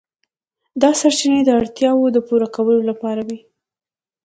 دا سرچینې د اړتیاوو د پوره کولو لپاره وې.